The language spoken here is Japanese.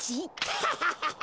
ハハハハ。